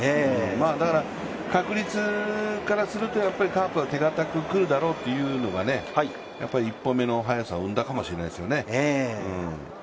だから確率からすると、カープは手堅くくるだろうというのが１本目の速さを生んだかもしれないですよね。